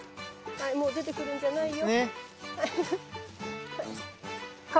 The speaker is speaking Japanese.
もう出てくるんじゃないよ。